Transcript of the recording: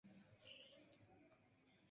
Ĝi ne mortis.